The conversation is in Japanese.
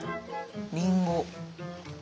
りんご。